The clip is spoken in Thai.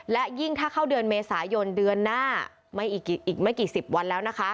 และยิ่งถ้าเข้าเดือนเมษายนเดือนหน้าไม่อีกไม่กี่สิบวันแล้วนะคะ